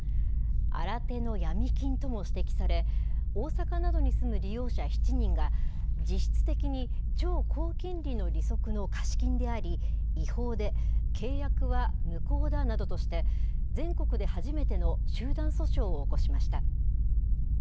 新手のヤミ金とも指摘され、大阪などに住む利用者７人が、実質的に超高金利の利息の貸金であり、違法で、契約は無効だなどとして、全国で初めての集団訴訟を起こしました。